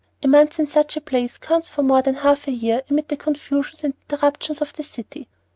A month in such a place counts for more than half a year amid the confusions and interruptions of the city.